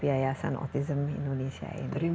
yayasan autism indonesia ini